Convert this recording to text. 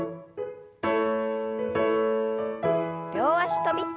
両脚跳び。